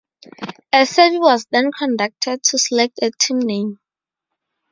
A survey was then conducted to select a team name.